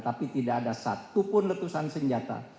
tapi tidak ada satupun letusan senjata